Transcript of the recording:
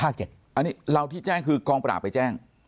อันนี้เราที่แจ้งคือกองปราบไปแจ้ง